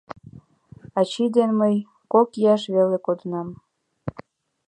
Ачий деч мый кок ияш веле кодынам.